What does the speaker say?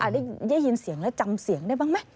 ได้ยินเสียงแล้วจำเสียงได้บ้างไหม